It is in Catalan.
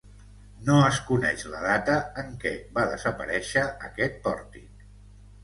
No es coneix la data en què va desaparèixer aquest pòrtic.